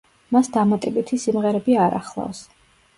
მას დამატებითი სიმღერები არ ახლავს.